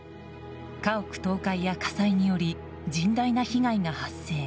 家屋倒壊や火災により甚大な被害が発生。